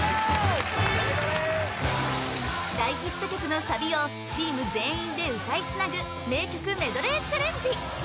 大ヒット曲のサビをチーム全員で歌いつなぐ名曲メドレーチャレンジ